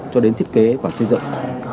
cho đến thiết kế và xây dựng